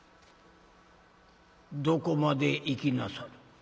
「どこまで行きなさる？」。